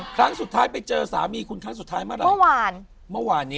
ทั้งสุดท้ายไปเจอสามีข้นทั้งสุดท้ายเมื่อไร